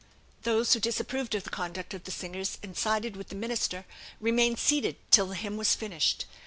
Those who disapproved of the conduct of the singers, and sided with the minister, remained seated till the hymn was finished.